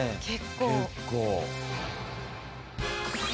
結構。